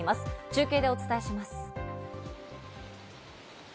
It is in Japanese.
中継でお伝えします。